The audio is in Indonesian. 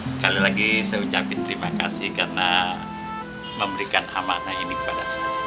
sekali lagi saya ucapkan terima kasih karena memberikan amanah ini kepada saya